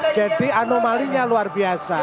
jadi anomalinya luar biasa